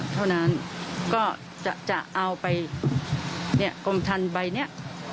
เท่านั้นก็จะเอาไปกรมทันใบนี้